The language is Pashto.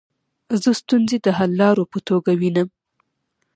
زه ستونزي د حللارو په توګه وینم.